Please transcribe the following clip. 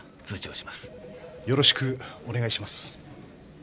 よろしくお願いします。